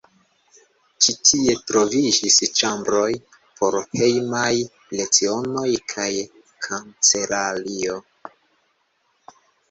Ĉi tie troviĝis ĉambroj por hejmaj lecionoj kaj kancelario.